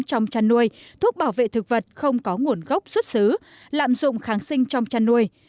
trong chăn nuôi thuốc bảo vệ thực vật không có nguồn gốc xuất xứ lạm dụng kháng sinh trong chăn nuôi